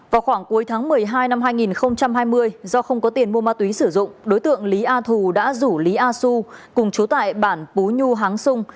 vào khoảng cuối tháng một mươi hai năm hai nghìn hai mươi do không có tiền mua ma túy sử dụng đối tượng lý a thù đã rủ lý a xu cùng chú tại bản pú nhu háng sung